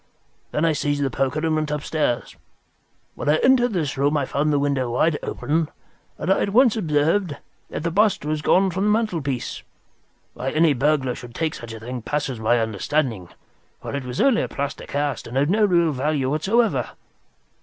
Then I seized the poker and went downstairs. When I entered this room I found the window wide open, and I at once observed that the bust was gone from the mantelpiece. Why any burglar should take such a thing passes my understanding, for it was only a plaster cast and of no real value whatever.